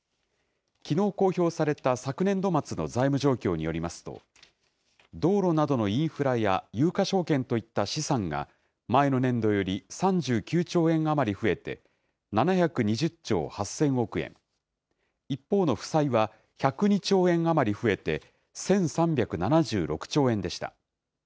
きのう公表された昨年度末の財務状況によりますと、道路などのインフラや有価証券といった資産が前の年度より３９兆円余り増えて、７２０兆８０００億円、一方の負債は１０２兆円余り増えて、１３７６兆円でした。